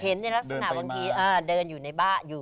เห็นในลักษณะวันทีเดินอยู่ในบ้าน